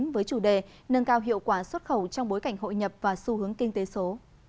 với chủ đề nâng cao hiệu quả xuất khẩu trong bối cảnh hội nhập và xu hướng kinh tế số